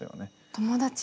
友達。